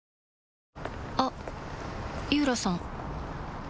あっ井浦さん